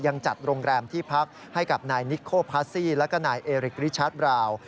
ยังจัดโรงแรมที่พักให้กับนายนิโคพาซี่แล้วก็นายเอริกริชาร์จบราว